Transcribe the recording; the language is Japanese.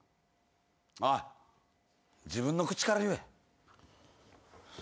おい自分の口から言え。